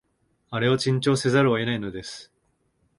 あれを珍重せざるを得ないのです